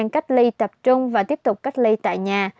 cách ly tập trung và tiếp tục cách ly tại nhà